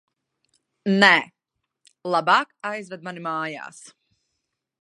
Nē, labāk aizved mani mājās.